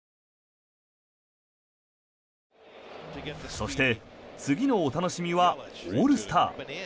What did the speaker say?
そして、次のお楽しみはオールスター。